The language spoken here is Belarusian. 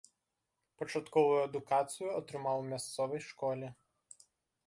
Пачатковую адукацыю атрымаў у мясцовай школе.